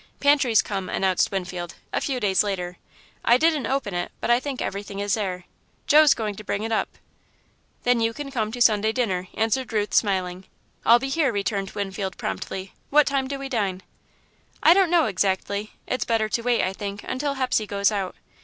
"Pantry's come," announced Winfield, a few days later; "I didn't open it, but I think everything is there. Joe's going to bring it up." "Then you can come to dinner Sunday," answered Ruth, smiling. "I'll be here," returned Winfield promptly. "What time do we dine?" "I don't know exactly. It's better to wait, I think, until Hepsey goes out.